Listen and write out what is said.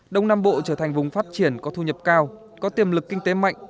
đông nam bộ trở thành vùng phát triển có thu nhập cao có tiềm lực kinh tế mạnh